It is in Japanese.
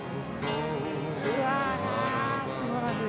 うわすばらしい。